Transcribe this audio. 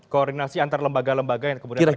koordinasi antar lembaga lembaga yang kemudian akan